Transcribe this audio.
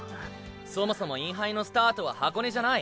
そもそもインハイのスタートは箱根じゃない。